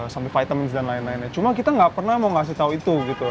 sampai vitamines dan lain lainnya cuma kita nggak pernah mau ngasih tau itu gitu